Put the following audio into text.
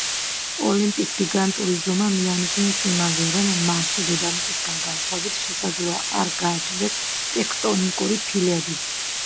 ოლიმპის გიგანტური ზომა მიანიშნებს იმაზე, რომ მარსს დედამიწისგან განსხვავებით შესაძლოა არ გააჩნდეს ტექტონიკური ფილები.